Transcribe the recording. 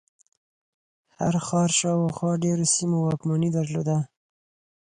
هر ښار شاوخوا ډېرو سیمو واکمني درلوده.